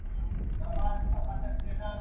تر مازي ولاړي، په خرپ نړېدلې ښه ده.